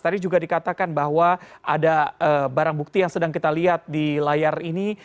tadi juga dikatakan bahwa ada barang bukti yang sedang kita lihat di layar ini